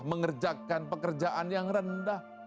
mengerjakan pekerjaan yang rendah